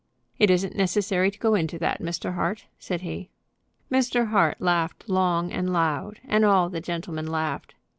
"It isn't necessary to go into that, Mr. Hart," said he. Mr. Hart laughed long and loud, and all the gentlemen laughed.